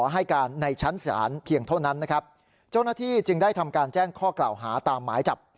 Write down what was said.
เท่านั้นนะครับเจ้าหน้าที่จึงได้ทำการแจ้งข้อกล่าวหาตามหมายจับ